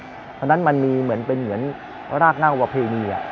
เพราะฉะนั้นมันมีเหมือนเป็นเหมือนรากหน้าประเพณี